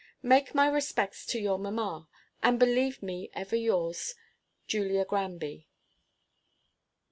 Make my respects to your mamma, and believe me ever yours, JULIA GRANBY.